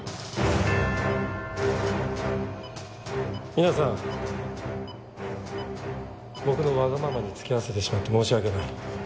皆さん僕のわがままに付き合わせてしまって申し訳ない。